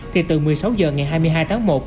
thì từ một mươi sáu h ngày hai mươi hai tháng một